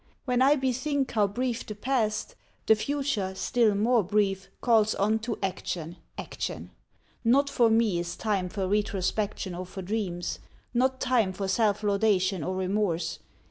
When I bethink How brief the past, the future still more brief, Calls on to action, action! Not for me Is time for retrospection or for dreams, Not time for self laudation or remorse.